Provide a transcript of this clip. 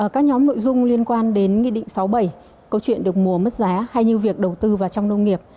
các nhóm nội dung liên quan đến nghị định sáu bảy câu chuyện được mùa mất giá hay như việc đầu tư vào trong nông nghiệp